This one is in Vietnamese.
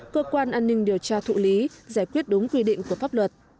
cơ quan an ninh điều tra thụ lý giải quyết đúng quy định của pháp luật